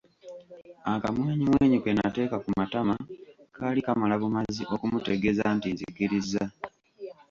Akamwenyumwenyu ke nateeka ku matama, kaali kamala bumazi okumutegeeza nti nzikirizza.